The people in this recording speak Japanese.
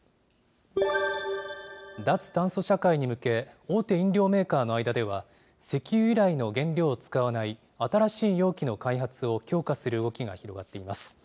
脱炭素社会に向け、大手飲料メーカーの間では、石油由来の原料を使わない新しい容器の開発を強化する動きが広がっています。